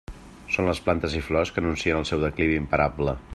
Són les plantes i flors que anuncien el seu declivi imparable.